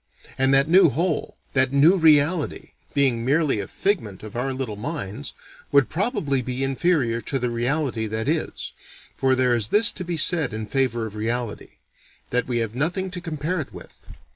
And that new whole, that new reality, being merely a figment of our little minds, "would probably be inferior to the reality that is. For there is this to be said in favor of reality: that we have nothing to compare it with.